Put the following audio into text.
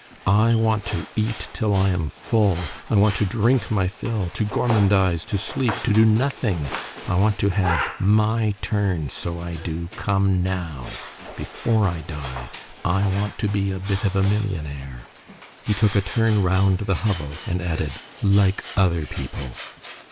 I want to eat till I am full, I want to drink my fill! to gormandize! to sleep! to do nothing! I want to have my turn, so I do, come now! before I die! I want to be a bit of a millionnaire!" He took a turn round the hovel, and added:— "Like other people."